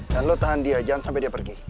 dan lo tahan dia jangan sampai dia pergi